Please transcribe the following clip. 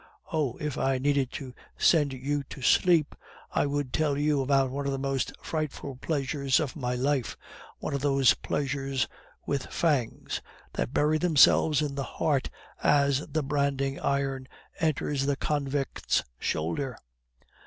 Oh, if I needed to send you to sleep, I would tell you about one of the most frightful pleasures of my life, one of those pleasures with fangs that bury themselves in the heart as the branding iron enters the convict's shoulder.